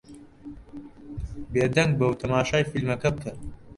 بێدەنگ بە و تەماشای فیلمەکە بکە.